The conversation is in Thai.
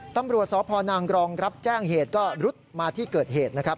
ตำรวจสพนางกรองรับแจ้งเหตุก็รุดมาที่เกิดเหตุนะครับ